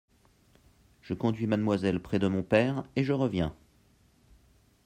Je conduis mademoiselle près de mon père, et je reviens.